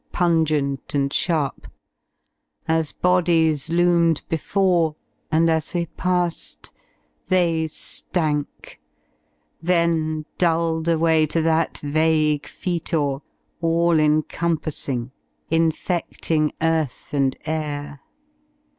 Pungent and sharp; as bodies loomed before. And as we passed, they Slank: then dulled away To that vague factor, all encompassing, Infeding earth and air.